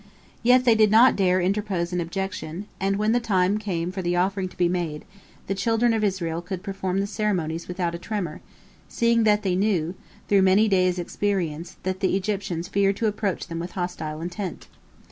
Yet they did not dare interpose an objection, and when the time came for the offering to be made, the children of Israel could perform the ceremonies without a tremor, seeing that they knew, through many days' experience, that the Egyptians feared to approach them with hostile intent.